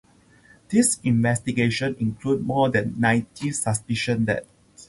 The investigation included more than ninety suspicious deaths.